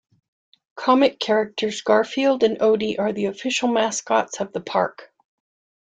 Comic characters Garfield and Odie are the official mascots of the park.